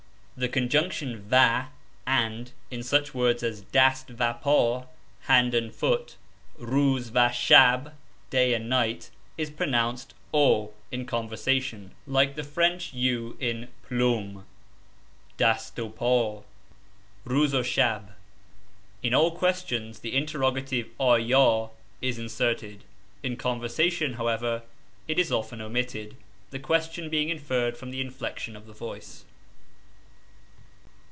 The conjunction va (and) in such words as dast va pa (hand and foot), rooz va shah (day and night), is pronounced eu in conversation, like the French u in plume ; (dasteu pa, roozeu shah). In all questions the interrogative (dya) is inserted. In conversation, however, it is often omitted, the question being inferred from the inflexion of the voice.